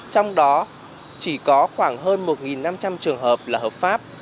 trong đó chỉ có khoảng hơn một năm trăm linh trường hợp là hợp pháp